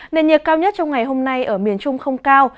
nền nhiệt cao nhất trong ngày hôm nay ở miền trung không cao